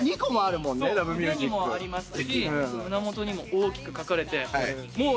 腕にもありますし胸元にも大きく書かれて。